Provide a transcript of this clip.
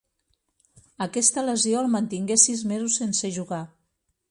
Aquesta lesió el mantingué sis mesos sense jugar.